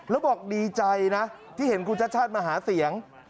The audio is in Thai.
แล้วบอกดีใจนะที่เห็นคุณชาติชาติมาหาเสียง